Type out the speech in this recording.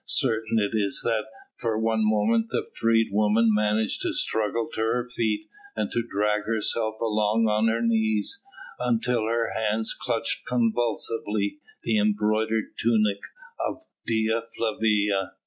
Certain it is that for one moment the freedwoman managed to struggle to her feet and to drag herself along on her knees until her hands clutched convulsively the embroidered tunic of Dea Flavia.